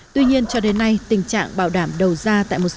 tuy nhiên cho đến nay tình trạng bảo đảm đầu ra tại một số